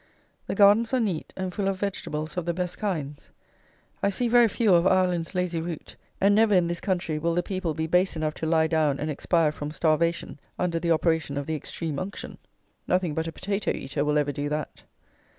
The gardens are neat, and full of vegetables of the best kinds. I see very few of "Ireland's lazy root;" and never, in this country, will the people be base enough to lie down and expire from starvation under the operation of the extreme unction! Nothing but a potato eater will ever do that.